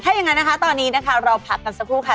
ถ้าอย่างนั้นนะคะตอนนี้นะคะเราพักกันสักครู่ค่ะ